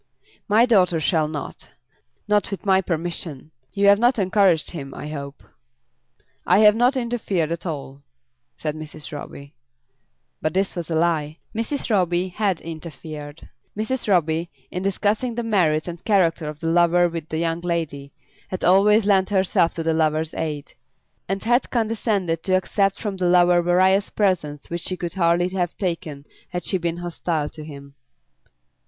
"My daughter shall not; not with my permission. You have not encouraged him, I hope." "I have not interfered at all," said Mrs. Roby. But this was a lie. Mrs. Roby had interfered. Mrs. Roby, in discussing the merits and character of the lover with the young lady, had always lent herself to the lover's aid, and had condescended to accept from the lover various presents which she could hardly have taken had she been hostile to him.